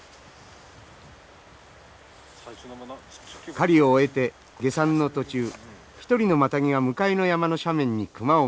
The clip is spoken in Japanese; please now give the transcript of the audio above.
狩りを終えて下山の途中一人のマタギが向かいの山の斜面に熊を見つけました。